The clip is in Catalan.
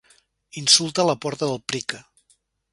Insulta a la porta del Pryca.